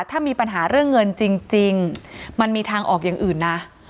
ถ้ามีปัญหาเรื่องเงินจริงมันมีทางออกอย่างอื่นนะ